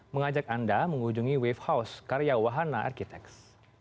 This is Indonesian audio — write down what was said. mengajak anda mengunjungi wave house karya wahana arkitex